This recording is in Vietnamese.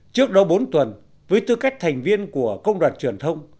trước đó bốn tuần với tư cách thành viên của công đoàn truyền thông